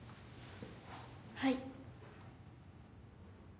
はい。